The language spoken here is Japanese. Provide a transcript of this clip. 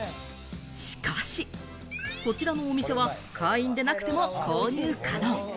しかし、こちらのお店は会員でなくても購入可能。